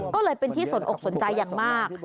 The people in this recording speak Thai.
ก็เลยเป็นที่สนอกสนใจอย่างมาก